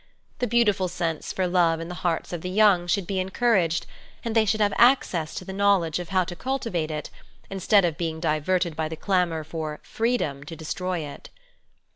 The beautiful sense for love in the hearts of the young should be encouraged, and they should have access to the knowledge of how to cultivate it, instead of being diverted by the clamour for " freedom " to destroy it.